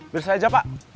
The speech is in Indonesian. berserah aja pak